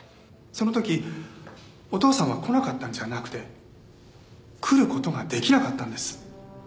その時お父さんは来なかったんじゃなくて来る事ができなかったんです。